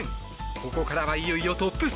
ここからはいよいよトップ３。